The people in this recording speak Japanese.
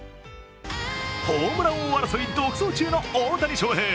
ホームラン王争い独走中の大谷翔平。